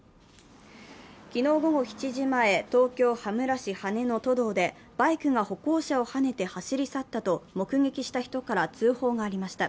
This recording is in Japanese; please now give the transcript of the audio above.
昨日午後７時前、東京・羽村市羽の都道でバイクが歩行者をはねて走り去ったと目撃した人から通報がありました。